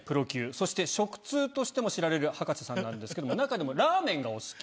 そして食通としても知られる葉加瀬さんなんですけども中でもラーメンがお好き。